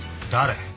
誰？